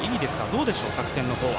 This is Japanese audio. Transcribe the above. どうでしょうか作戦の方は。